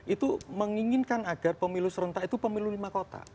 itu menginginkan agar pemilu serentak itu pemilu lima kota